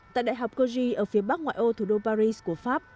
tại đại học cogi ở phía bắc ngoại ô thủ đô paris của pháp